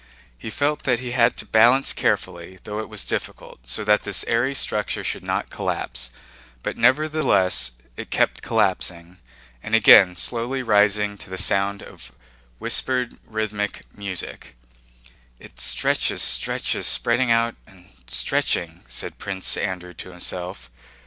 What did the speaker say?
He felt that he had to balance carefully (though it was difficult) so that this airy structure should not collapse; but nevertheless it kept collapsing and again slowly rising to the sound of whispered rhythmic music—"it stretches, stretches, spreading out and stretching," said Prince Andrew to himself.